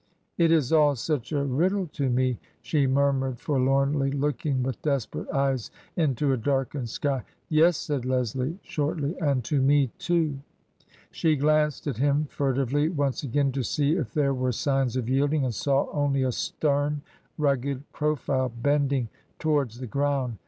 " It is all such a riddle to me," she murmured, for lornly, looking with desperate eyes into a darkened sky. " Yes," said Leslie, shortly, " and to me too." She glanced at him furtively once again to see if there were signs of yielding, and saw only a stern, rugged profile bending towards the ground.